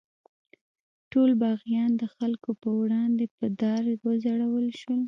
ټول باغیان د خلکو په وړاندې په دار وځړول شول.